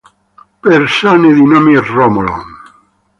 Persone di nome Romolo